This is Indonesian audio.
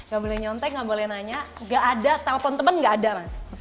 ga boleh nyontek ga boleh nanya ga ada telepon temen ga ada mas